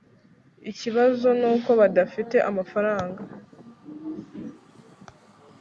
Ikibazo nuko badafite amafaranga